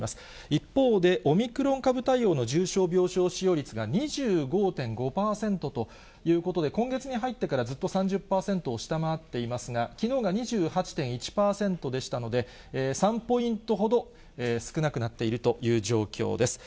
一方で、オミクロン株対応の重症病床使用率が２５．５％ということで、今月に入ってからずっと３０％を下回っていますが、きのうが２８．１％でしたので、３ポイントほど少なくなっているという状況です。